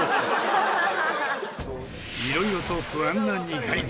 いろいろと不安な二階堂。